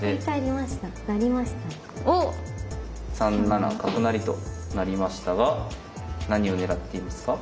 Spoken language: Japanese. ３七角成となりましたが何を狙っていますか？